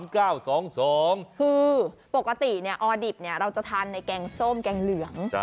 คือปกติออดิบเราจะทานในแกงส้มแกงเหลือง